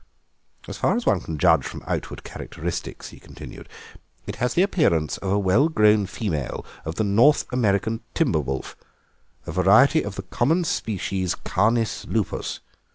As far as one can judge from outward characteristics," he continued, "it has the appearance of a well grown female of the North American timber wolf, a variety of the common species canis lupus."